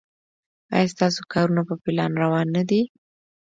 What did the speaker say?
ایا ستاسو کارونه په پلان روان نه دي؟